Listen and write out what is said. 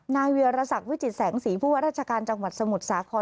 เวียรสักวิจิตแสงสีผู้ว่าราชการจังหวัดสมุทรสาคร